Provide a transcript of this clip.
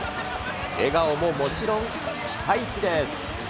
笑顔ももちろんピカイチです。